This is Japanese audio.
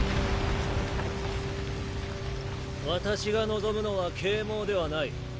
私が望むのは啓蒙ではない。